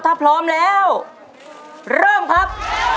ถ้าพร้อมแล้วเริ่มครับ